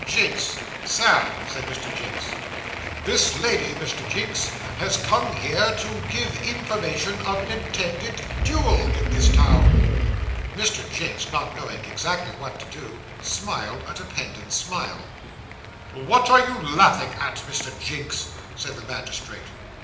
Jinks.' 'Sir,' said Mr. Jinks. 'This lady, Mr. Jinks, has come here, to give information of an intended duel in this town.' Mr. Jinks, not knowing exactly what to do, smiled a dependent's smile. 'What are you laughing at, Mr. Jinks?' said the magistrate.